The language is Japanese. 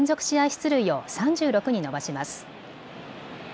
出塁を３６に伸ばします。